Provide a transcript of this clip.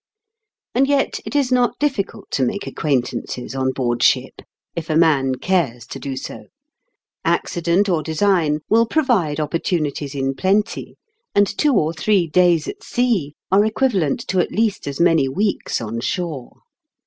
And yet it is not difficult to make acquaint ances on board ship, if a man cares to do so ; accident or design will provide opportunities in plenty, and two or three days at sea are equivalent to at least as many weeks on shore.